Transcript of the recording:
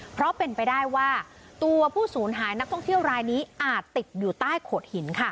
เพราะเป็นไปได้ว่าตัวผู้สูญหายนักท่องเที่ยวรายนี้อาจติดอยู่ใต้โขดหิน